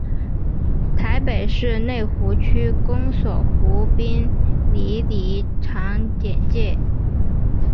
台北市内湖区公所湖滨里里长简介